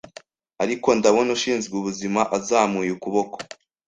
Ariko ndabona ushinzwe ubuzima azamuye ukuboko